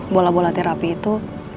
bola bola terapi itu